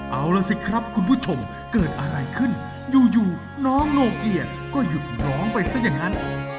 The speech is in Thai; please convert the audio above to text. เอาล่ะสิครับคุณผู้ชมเกิดอะไรขึ้นอยู่น้องโนเกียก็หยุดร้องไปซะอย่างนั้น